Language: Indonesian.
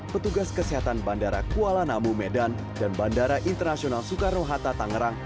petugas kesehatan bandara kuala namu medan dan bandara internasional soekarno hatta tangerang